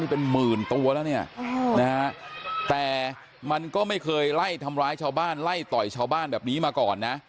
เป็นหมื่นตัวแล้วเนี่ยนะฮะแต่มันก็ไม่เคยไล่ทำร้ายชาวบ้านไล่ต่อยชาวบ้านแบบนี้มาก่อนนะ